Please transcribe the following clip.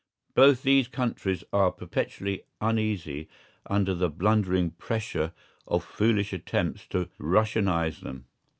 Both these countries are perpetually uneasy under the blundering pressure of foolish attempts to "Russianize" them.